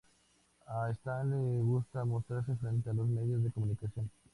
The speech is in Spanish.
A Stan le gusta mostrarse frente a los medios de comunicación.